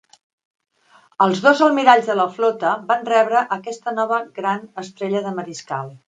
Els dos almiralls de la flota van rebre aquesta nova "gran" estrella de mariscal.